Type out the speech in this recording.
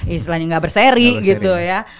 istilahnya nggak berseri gitu ya